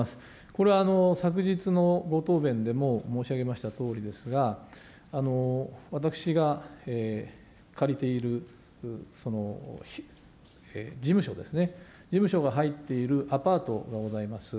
これは昨日のご答弁でも申し上げましたとおりですが、私が借りている事務所ですね、事務所が入っているアパートがございます。